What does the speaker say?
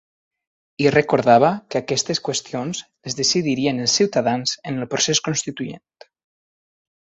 I recordava que aquestes qüestions les decidirien els ciutadans en el procés constituent.